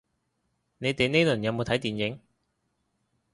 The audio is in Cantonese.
你哋呢輪有冇睇電影